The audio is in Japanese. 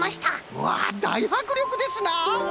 うわだいはくりょくですな！